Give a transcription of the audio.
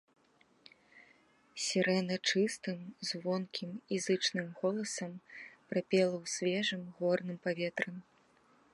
Сірэна чыстым, звонкім і зычным голасам прапела ў свежым горным паветры.